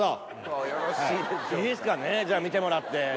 じゃあ見てもらって。